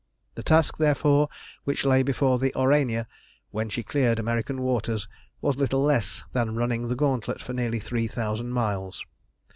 The task, therefore, which lay before the Aurania when she cleared American waters was little less than running the gauntlet for nearly three thousand miles.